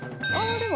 でも